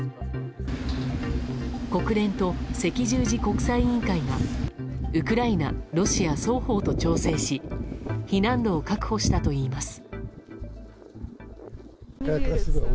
国連と赤十字国際委員会がウクライナ、ロシア双方と調整し避難路を確保したといいます。